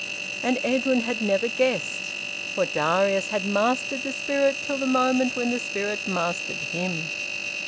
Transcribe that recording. And Edwin had never guessed, for Darius had mastered the spirit till the moment when the spirit mastered him.